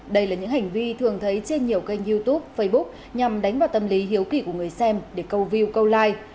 đây là những hành vi thường thấy trên nhiều kênh youtube facebook nhằm đánh vào tâm lý hiếu kỳ của người xem để câu view câu like